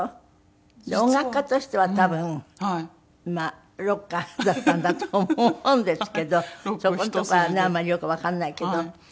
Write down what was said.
音楽家としては多分ロッカーだったんだと思うんですけどそこのところはねあんまりよくわからないけど。